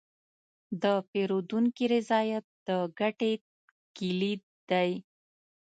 د پیرودونکي رضایت د ګټې کلید دی.